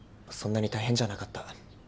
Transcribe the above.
そんなに大変じゃなかった。